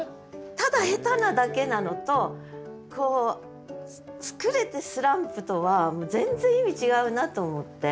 ただ下手なだけなのとこう作れてスランプとは全然意味違うなと思って。